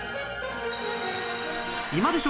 今でしょ！